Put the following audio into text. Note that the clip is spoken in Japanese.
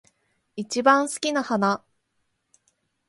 一番好きな花